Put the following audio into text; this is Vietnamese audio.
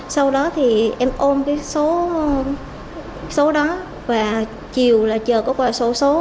sau đó thì em ôm cái số đó và chiều là chờ có qua số số